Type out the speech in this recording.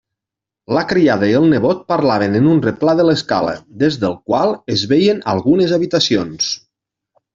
La criada i el nebot parlaven en un replà de l'escala, des del qual es veien algunes habitacions.